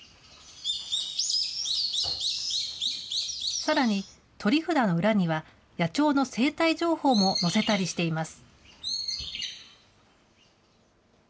さらに、取り札の裏には、野鳥の生態情報も載せたりしています。